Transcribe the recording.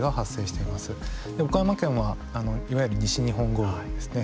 岡山県はいわゆる西日本豪雨ですね。